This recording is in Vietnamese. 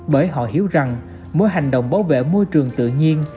bởi họ hiểu rằng mỗi hành động bảo vệ môi trường tự nhiên